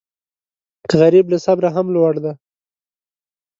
غریب له صبره هم لوړ دی